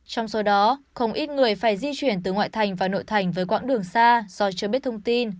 trong số đó không ít người phải di chuyển từ ngoại thành và nội thành với quãng đường xa do chưa biết thông tin